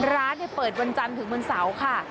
ร้านเปิดวันจันทร์ถึงวันเสาร์ค่ะ